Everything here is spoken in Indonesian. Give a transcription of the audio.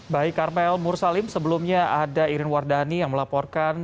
baik karmel mursalim sebelumnya ada irin wardani yang melaporkan